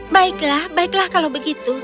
baiklah baiklah kalau begitu